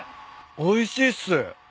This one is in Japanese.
おいしいっす。